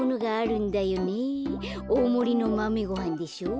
おおもりのマメごはんでしょ。